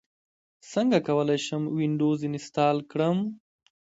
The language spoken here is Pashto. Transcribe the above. څنګه کولی شم وینډوز انسټال کړم